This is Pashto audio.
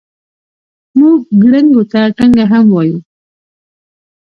موږ ګړنګو ته ټنګه هم وایو.